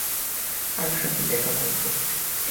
কার সাথে দেখা করবো?